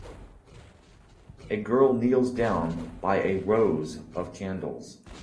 A girl kneels down by a rows of candles.